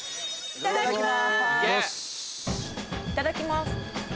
いただきます。